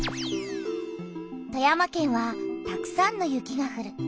富山県はたくさんの雪がふる。